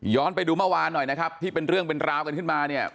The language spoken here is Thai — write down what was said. ไปดูเมื่อวานหน่อยนะครับที่เป็นเรื่องเป็นราวกันขึ้นมาเนี่ย